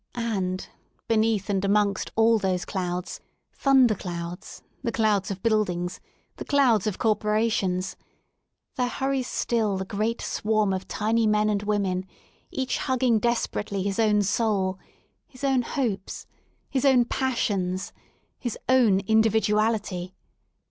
And beneath and amongst all those clouds — thunder clouds, the cloud of buildings, the clouds of corpora tions — there hurries still the great swarm of tiny men and women, each one hugging desperately his own soul, his own hopes, his own passions, his own individuality.